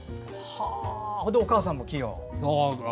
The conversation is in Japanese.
それでお母さんも器用。